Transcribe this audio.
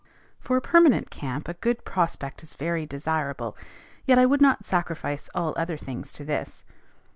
For a permanent camp a good prospect is very desirable; yet I would not sacrifice all other things to this.